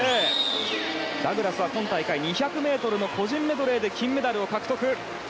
ダグラスは今大会２００ｍの個人メドレーで金メダルを獲得。